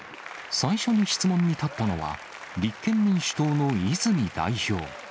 最初に質問に立ったのは、立憲民主党の泉代表。